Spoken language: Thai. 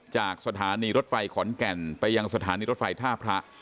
จากสถานีรถไฟขอนแก่นไปยังสถานีรถไฟท่าพระ